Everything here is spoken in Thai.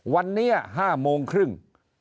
วันนี้๕โมงครึ่ง